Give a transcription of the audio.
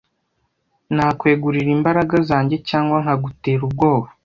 nakwegurira imbaraga zanjye cyangwa nkagutera ubwoba